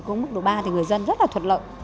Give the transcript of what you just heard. dịch vụ công mức độ ba thì người dân rất là thuận lợi